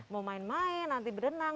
mau main main nanti berenang